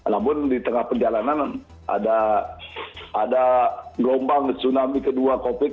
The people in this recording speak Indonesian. namun di tengah perjalanan ada gombang tsunami kedua covid sembilan belas